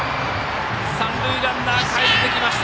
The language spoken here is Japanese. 三塁ランナー、かえってきました。